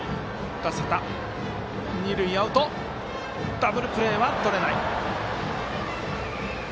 ダブルプレーはとれない。